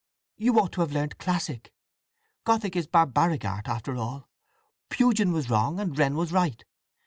"You ought to have learnt classic. Gothic is barbaric art, after all. Pugin was wrong, and Wren was right.